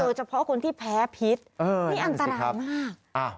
เฉพาะคนที่แพ้พิษนี่อันตรายมาก